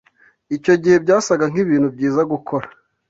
Icyo gihe, byasaga nkibintu byiza gukora.